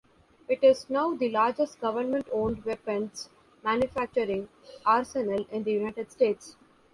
It is now the largest government-owned weapons manufacturing arsenal in the United States.